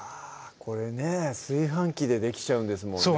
これね炊飯器でできちゃうんですもんね